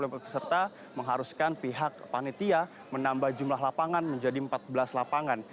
jadi sekitar enam puluh peserta mengharuskan pihak panitia menambah jumlah lapangan menjadi empat belas lapangan